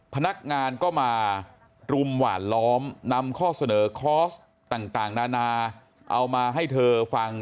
พนักงานก็มารุมหวานล้อมนำข้อเสนอคอร์สต่างนานาเอามาให้เธอฟัง